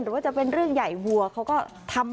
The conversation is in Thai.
ว่าจะเป็นเรื่องใหญ่วัวเขาก็ทำ